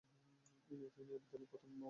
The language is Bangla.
তিনি এ বিদ্যালয়ের প্রথম বাঙালি প্রধান শিক্ষক।